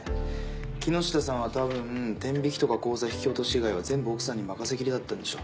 木下さんは多分天引きとか口座引き落とし以外は全部奥さんに任せきりだったんでしょ。